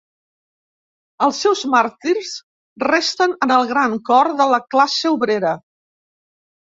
Els seus màrtirs resten en el gran cor de la classe obrera.